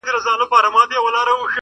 د ورور و غاړي ته چاړه دي کړمه,